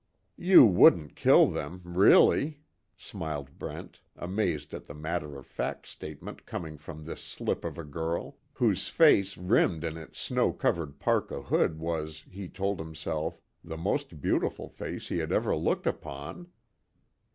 "You wouldn't kill them really?" smiled Brent, amazed at the matter of fact statement coming from this slip of a girl, whose face rimmed in its snow covered parka hood was, he told himself, the most beautiful face he had ever looked upon.